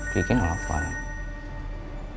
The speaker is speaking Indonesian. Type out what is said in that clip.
kiki nolak banget